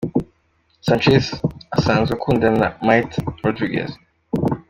Sanchez asanzwe akundana na Mayte Rodriguez.